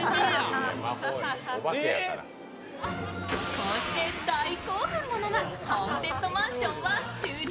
こうして大興奮のままホーンテッドマンションは終了。